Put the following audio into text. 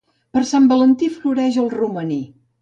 Per Sant Valentí, floreix el romaní.